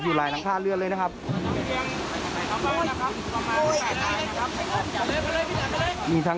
ผู้ประสบภัยนะครับครับพี่พุ่ม